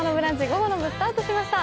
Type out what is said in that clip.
午後の部スタートしました。